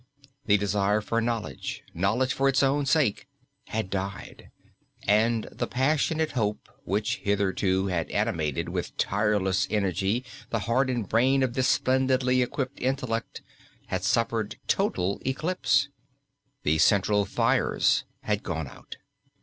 The desire for knowledge knowledge for its own sake had died, and the passionate hope which hitherto had animated with tireless energy the heart and brain of this splendidly equipped intellect had suffered total eclipse. The central fires had gone out.